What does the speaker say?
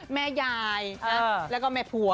พี่แจ๊ค